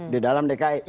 di dalam dki